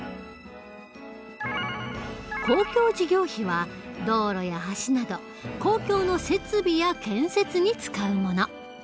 公共事業費は道路や橋など公共の設備や建設に使うもの。